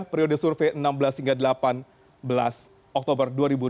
periode survei enam belas hingga delapan belas oktober dua ribu delapan belas